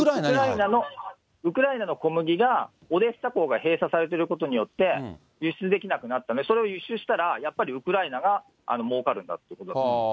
ウクライナの小麦が、オデーサ港が閉鎖されてることによって、輸出できなくなったので、それを輸出したら、やっぱりウクライナがもうかるんだと思います。